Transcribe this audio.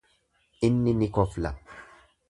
Inni ni kofla.